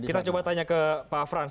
kita coba tanya ke pak frans